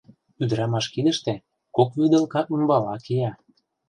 Ӱдырамаш кидыште кок вӱдылка ӱмбала кия.